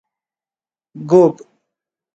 ږوب